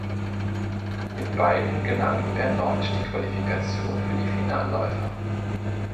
In beiden gelang ihm erneut die Qualifikation für die Finalläufe.